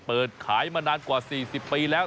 เปิดขายมานานกว่า๔๐ปีแล้ว